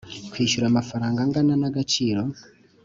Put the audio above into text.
Kwishyura amafaranga angana n agaciro